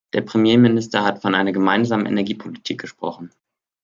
Der Premierminister hat von einer Gemeinsamen Energiepolitik gesprochen.